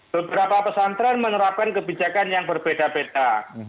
beberapa pesantren menerapkan kebijakan yang berbeda beda